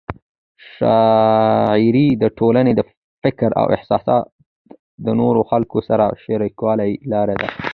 شاعري د ټولنې د فکر او احساسات د نورو خلکو سره شریکولو لار ده.